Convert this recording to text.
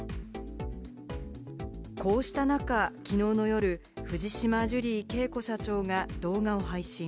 こうした中、昨日の夜、藤島ジュリー景子社長が動画を配信。